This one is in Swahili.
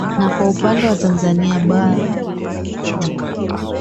na kwa upande wa tanzania baroo